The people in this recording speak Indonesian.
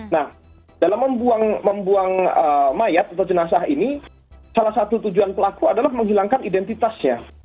nah dalam membuang mayat atau jenazah ini salah satu tujuan pelaku adalah menghilangkan identitasnya